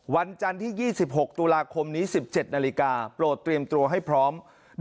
วันจันทร์ที่๒๖ตุลาคมนี้๑๗นาฬิกาโปรดเตรียมตัวให้พร้อม